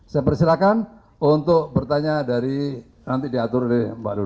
saya persilahkan untuk bertanya dari nanti diatur oleh mbak nurul